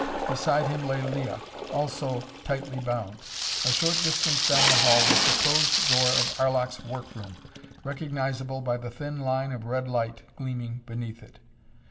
Beside him lay Leah, also tightly bound. A short distance down the hall was the closed door of Arlok's work room, recognizable by the thin line of red light gleaming beneath it.